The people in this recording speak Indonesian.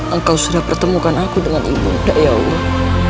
engkau sudah pertemukan aku dengan ibu ya allah